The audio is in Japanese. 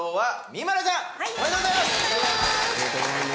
おめでとうございます！